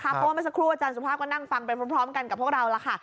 เพราะว่าเมื่อสักครู่อาจารย์สุภาพก็นั่งฟังไปพร้อมกันกับพวกเราล่ะค่ะ